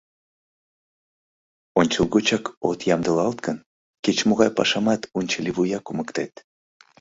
Ончылгочак от ямдылалт гын, кеч-могай пашамат унчыливуя кумыктет.